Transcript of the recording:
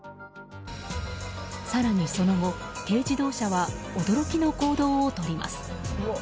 更に、その後軽自動車は驚きの行動をとります。